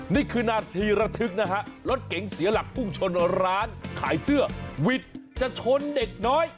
นี่คือนาทีระทึกนะฮะรถเก๋งเสียหลักพุ่งชนร้านขายเสื้อวิทย์จะชนเด็กน้อย